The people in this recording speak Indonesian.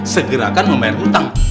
segera akan memayar utang